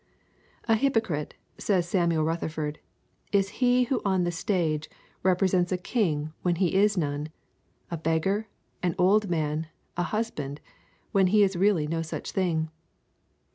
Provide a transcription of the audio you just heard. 'An hypocrite,' says Samuel Rutherford, 'is he who on the stage represents a king when he is none, a beggar, an old man, a husband, when he is really no such thing.